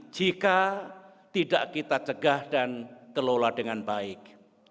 jika tidak kita cegah dan kelola dengan baik